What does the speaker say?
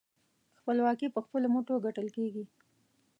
خپلواکي په خپلو مټو ګټل کېږي.